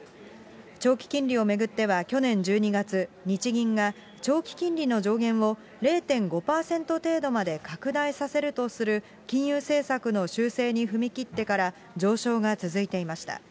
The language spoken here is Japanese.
長期金利を巡っては去年１２月、日銀が長期金利の上限を０．５％程度まで拡大させるとする金融政策の修正に踏み切ってから、上昇が続いていました。